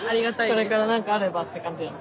これから何かあればって感じです。